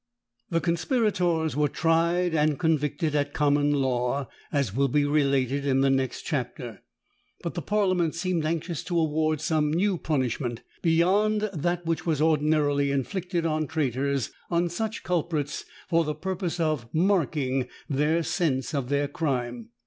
] The conspirators were tried and convicted at common law, as will be related in the next chapter; but the parliament seemed anxious to award some new punishment, beyond that which was ordinarily inflicted on traitors, on such culprits, for the purpose of marking their sense of their crime.